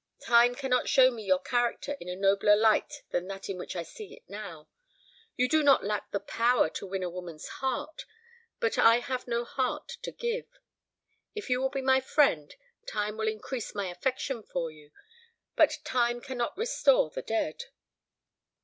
"Time cannot show me your character in a nobler light than that in which I see it now. You do not lack the power to win a woman's heart, but I have no heart to give. If you will be my friend, time will increase my affection for you but time cannot restore the dead."